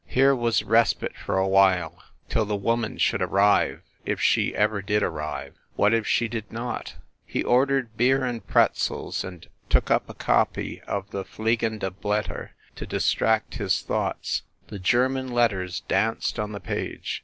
Here was respite for a while till the woman should arrive if she ever did arrive. What if she did not ? He ordered beer and pretzels and took up a copy of the Fliegende Blaetter to distract his thoughts. The German letters danced on the page.